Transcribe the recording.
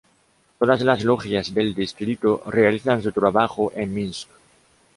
Todas las logias del distrito realizan su trabajo, en Minsk.